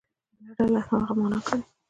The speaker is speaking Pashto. بله ډله دې هغه معنا کړي.